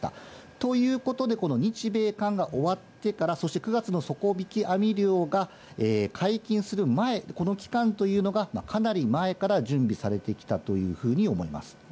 ということでこの日米韓が終わってから、そして９月の底引き網漁が解禁する前、この期間というのが、かなり前から準備されてきたというふうに思います。